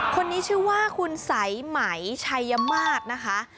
คนนี้ชื่อว่าคุณสายไหมชัยมาศนะคะ